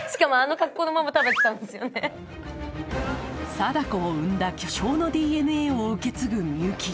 貞子を生んだ巨匠のＤＮＡを受け継ぐ美雪。